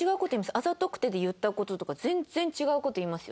『あざとくて』で言った事とか全然違う事言いますよ